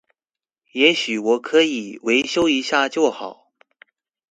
也許我可以維修一下就好